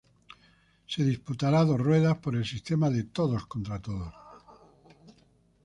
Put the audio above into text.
Se disputará a dos rueda, por el sistema de todos contra todos.